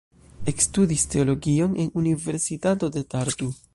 Ekstudis teologion en Universitato de Tartu.